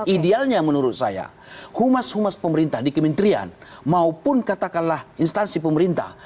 idealnya menurut saya humas humas pemerintah di kementerian maupun katakanlah instansi pemerintah